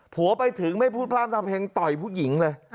ผัวไปถึงไม่พรุ่งจาบหน้าเพลงต่อยผู้หญิงเลย